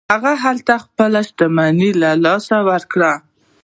هغه هلته خپله شتمني له لاسه ورکوي.